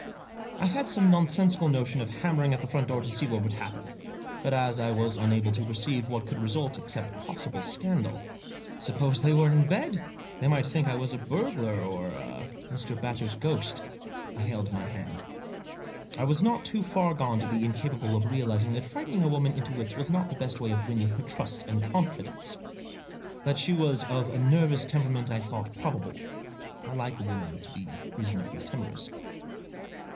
I had some nonsensical notion of hammering at the front door to see what would happen. But as I was unable to perceive what could result, except possible scandal — suppose they were in bed! they might think I was burglars, or Mr. Batters 1 ghost — I held my hand. I was not too far gone to be incapable of realising that frightening a woman into fits was not the best way of winning her trust and confidence. That she was of a nervous temperament I thought probable. I like a woman to be reasonably timorous.